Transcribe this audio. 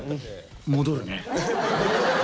戻るね。